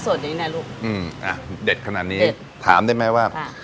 ซูตรเงียบขนาดนี้ถามได้ไหมว่า